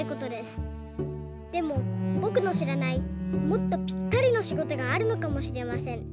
でもぼくのしらないもっとぴったりのしごとがあるのかもしれません。